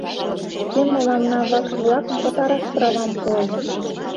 Кӧ мыланна вакш-влакым пытараш правам пуэн?